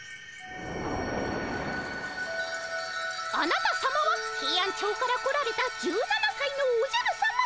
あなたさまはヘイアンチョウから来られた１７さいのおじゃるさま。